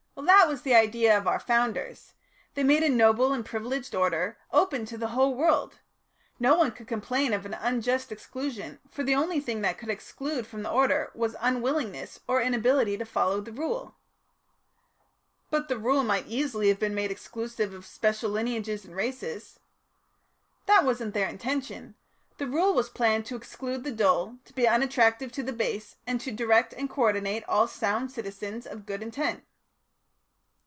'" "That was the idea of our Founders. They made a noble and privileged order open to the whole world. No one could complain of an unjust exclusion, for the only thing that could exclude from the order was unwillingness or inability to follow the Rule." "But the Rule might easily have been made exclusive of special lineages and races." "That wasn't their intention. The Rule was planned to exclude the dull, to be unattractive to the base, and to direct and co ordinate all sound citizens of good intent."